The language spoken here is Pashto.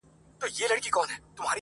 سلا کار به د پاچا او د امیر یې؛